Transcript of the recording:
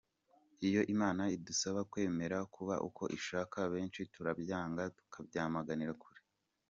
Iyo Imana idusaba kwemera kuba uko ishaka, benshi turabyanga tukabyamaganira kure.